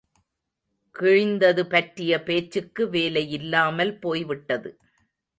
கிழிந்தது பற்றிய பேச்சுக்கு வேலையில்லாமல் போய்விட்டது.